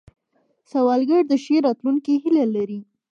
سوالګر د ښې راتلونکې هیله لري